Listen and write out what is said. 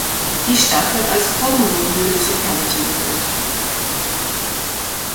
Die Stadt wird als Home Rule Municipality geführt.